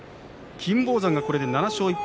金峰山がこれで７勝１敗。